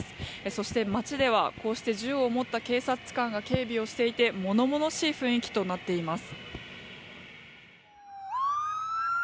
そして、街ではこうして銃を持った警察官が警備をしていて物々しい雰囲気となっています。